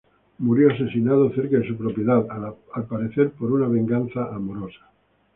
Murió asesinado cerca de su propiedad, al parecer por una venganza amorosa.